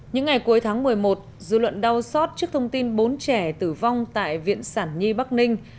những ngày cuối tháng một mươi một dư luận đau xót trước thông tin bốn trẻ tử vong tại viện sản nhi bắc ninh